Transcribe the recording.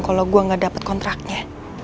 kalau gue gak dapat kontraknya